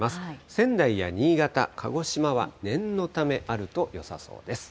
仙台や新潟、鹿児島は念のためあるとよさそうです。